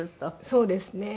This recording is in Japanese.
そうですね。